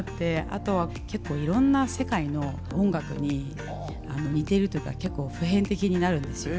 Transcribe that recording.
あとは結構いろんな世界の音楽に似てるというか結構普遍的になるんですよ。